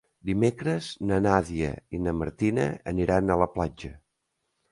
Dimecres na Nàdia i na Martina aniran a la platja.